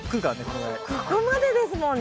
ここまでですもんね。